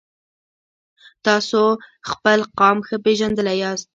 تاسو خپل قام ښه پیژندلی یاست.